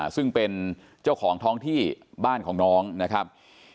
ซึ่งเป็นเจ้าของท้องที่บ้านของน้องนะครับ